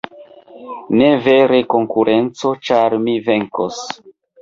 .... Ne vere konkurenco, ĉar mi venkos.